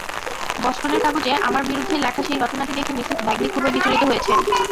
বষ্টনের কাগজে আমার বিরুদ্ধে লেখা সেই রচনাটি দেখে মিসেস ব্যাগলি খুবই বিচলিত হয়েছেন।